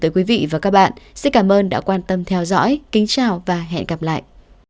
xin cảm ơn đã quan tâm theo dõi kính chào và hẹn gặp lại